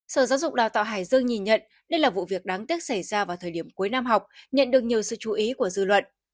sở giáo dục đào tạo hải dương nhìn nhận đây là vụ việc đáng tiếc xảy ra vào thời điểm cuối năm học nhận được nhiều sự chú ý của dư luận